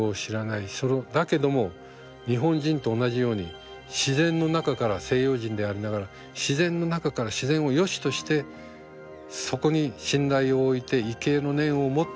だけども日本人と同じように自然の中から西洋人でありながら自然の中から自然をよしとしてそこに信頼を置いて畏敬の念を持って学んだ人なんですよ。